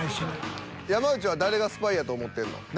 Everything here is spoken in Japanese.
山内は誰がスパイやと思ってんの？